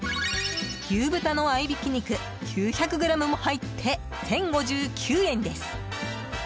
牛豚の合いびき肉９００ｇも入って１０５９円です。